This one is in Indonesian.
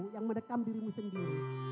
yang mendekam dirimu sendiri